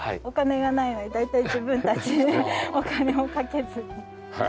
お金がないので大体自分たちでお金をかけずに。